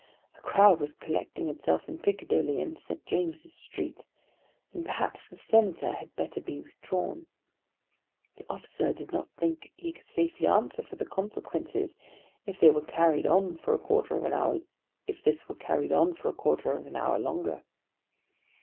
A crowd was collecting itself in Piccadilly and St. James's Street, and perhaps the Senator had better be withdrawn. The officer did not think that he could safely answer for the consequences if this were carried on for a quarter of an hour longer.